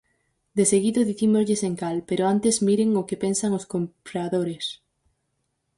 Deseguido, dicímoslles en cal, pero antes miren o que pensan os compradores.